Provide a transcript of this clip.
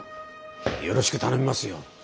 よろしく頼みますよ。